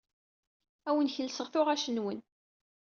Ur awen-d-kellseɣ tuɣac-nwen.